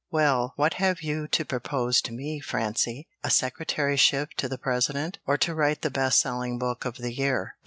"Well, what have you to propose to me, Francie, a secretaryship to the President, or to write the best selling book of the year?"